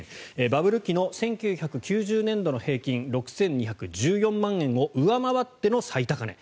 バブル期の１９９０年度の平均６２１４万円を上回っての最高値。